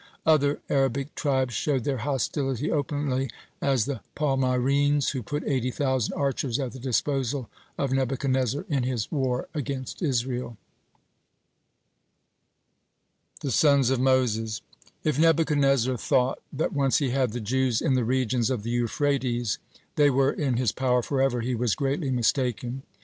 Other Arabic tribes showed their hostility openly; as the Palmyrenes, who put eighty thousand archers at the disposal of Nebuchadnezzar in his war against Israel. (53) THE SONS OF MOSES If Nebuchadnezzar thought, that once he had the Jews in the regions of the Euphrates they were in his power forever, he was greatly mistaken.